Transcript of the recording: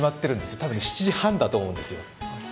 たぶん７時半だと思うんですよ。